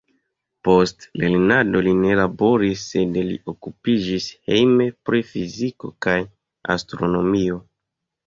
Post lernado li ne laboris, sed li okupiĝis hejme pri fiziko kaj astronomio.